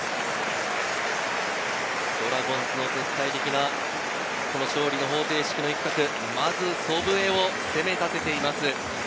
ドラゴンズの絶対的な勝利の方程式の一角、まず祖父江を攻め立てています。